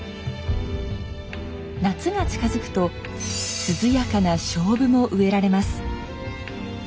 夏が近づくと涼やかな菖蒲も植えられます。